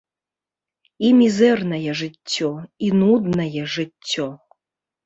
І мізэрнае жыццё, і нуднае жыццё.